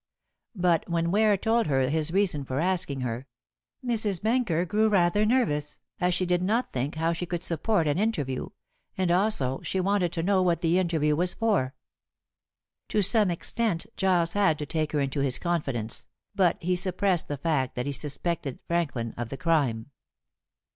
But when Ware told her his reason for asking her, Mrs. Benker grew rather nervous, as she did not think how she could support an interview, and, also, she wanted to know what the interview was for. To some extent Giles had to take her into his confidence, but he suppressed the fact that he suspected Franklin of the crime.